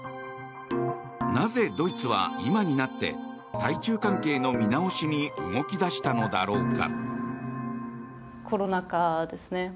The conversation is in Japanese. なぜ、ドイツは今になって対中関係の見直しに動き出したのだろうか。